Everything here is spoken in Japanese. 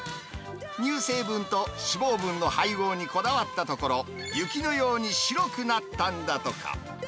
乳成分と脂肪分の配合にこだわったところ、雪のように白くなったんだとか。